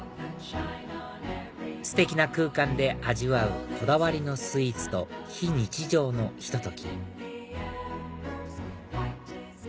ステキな空間で味わうこだわりのスイーツと非日常のひと時